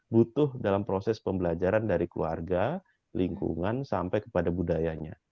butuh dalam proses pembelajaran dari keluarga lingkungan sampai kepada budayanya